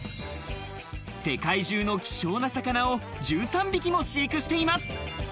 世界中の希少な魚を１３匹も飼育しています。